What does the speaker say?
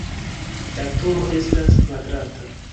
La turo estas kvadrata.